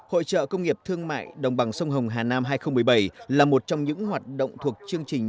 hội trợ công nghiệp thương mại đồng bằng sông hồng hà nam hai nghìn một mươi bảy là một trong những hoạt động thuộc chương trình